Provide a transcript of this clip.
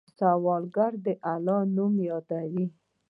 سوالګر د الله نوم یادوي